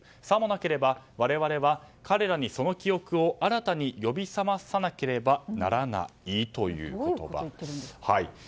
さもなければ我々は彼らにその記憶を新たに呼び覚まさなければならないという言葉。